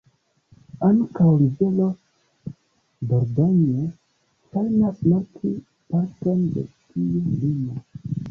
Ankaŭ rivero Dordogne ŝajnas marki parton de tiu limo.